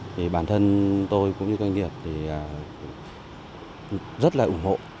chúng tôi cũng như doanh nghiệp thì rất là ủng hộ